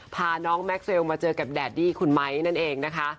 พาน้องแม็กเซลมาเจอกับแดดดี้คุณไม้นั่นเองนะคะ